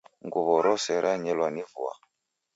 Nguw'o rose ranyelwa ni vua.